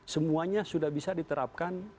semuanya sudah bisa diterapkan